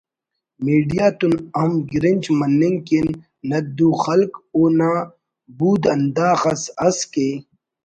میڈیا تون ہم گرنچ مننگ کن نت و دُو خلک اونا بود ہنداخس ئس کہ